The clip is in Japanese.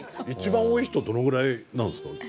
一番多い人どのぐらいなんですか？